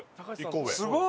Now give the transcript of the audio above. すごい！